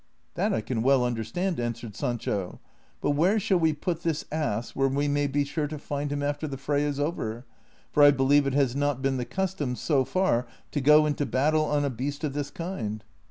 " That I can well understand," answered Sancho ;" but where shall we put this ass where we may be sure to find him after tlie fray is over ? for I believe it has not been the cus tom so far to go into battle on a beast of this kind."